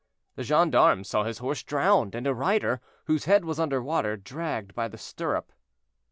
"The gendarmes saw his horse drowned, and a rider, whose head was under water, dragged by the stirrup."